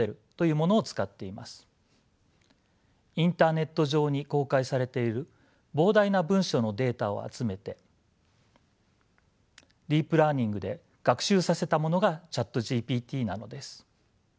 インターネット上に公開されている膨大な文章のデータを集めてディープ・ラーニングで学習させたものがＣｈａｔＧＰＴなのです。